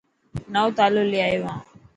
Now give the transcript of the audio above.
نئو تالو لي آيو هان.